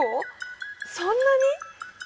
そんなに？